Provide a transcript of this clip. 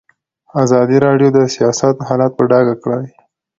ازادي راډیو د سیاست حالت په ډاګه کړی.